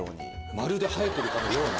まるで生えてるかのような。